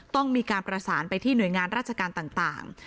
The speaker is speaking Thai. ต้องมีการประสานไปที่หน่วยงานราชการต่าง